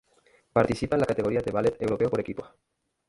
Participa en la categoría de Ballet Europeo por equipos.